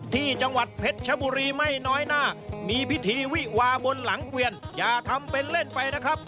ที่จังหวัดเพชรชบุรีไม่น้อยหน้ามีพิธีวิวาบนหลังเกวียนอย่าทำเป็นเล่นไปนะครับ